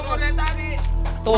pak jandra tuh